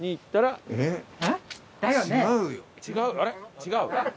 違う？